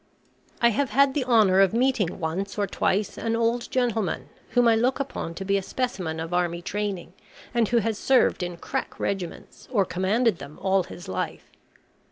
I have had the honour of meeting once or twice an old gentleman, whom I look upon to be a specimen of army training, and who has served in crack regiments, or commanded them, all his life.